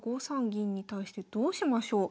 銀に対してどうしましょう？